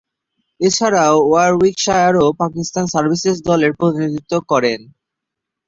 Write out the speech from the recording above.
এছাড়াও ওয়ারউইকশায়ার ও পাকিস্তান সার্ভিসেস দলের প্রতিনিধিত্ব করেন।